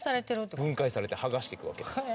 分解されて剥がしていくわけです。